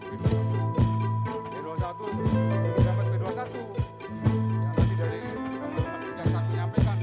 b dua puluh satu b dua puluh satu yang nanti dari teman teman kejaksaan menyampaikan